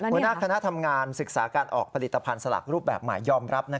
หัวหน้าคณะทำงานศึกษาการออกผลิตภัณฑ์สลากรูปแบบใหม่ยอมรับ